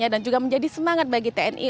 dan juga menjadi semangat bagi tni